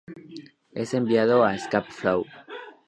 Es enviado a Scapa Flow.